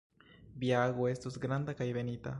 Via ago estos granda kaj benita.